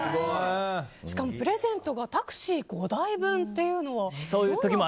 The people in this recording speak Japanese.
しかもプレゼントがタクシー５台分というのは。